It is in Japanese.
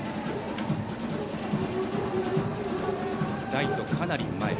ライト、かなり前。